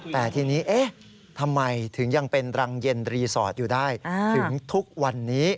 แต่ทีนี้เอ๊ะทำไมถึงยังเป็นรังเย็นรีสอร์ทอยู่ได้ถึงทุกวันนี้